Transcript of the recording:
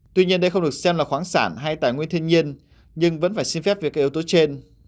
tuy nhiên đây không được xem là khoáng sản hay tài nguyên thiên nhiên nhưng vẫn phải xin phép về các yếu tố trên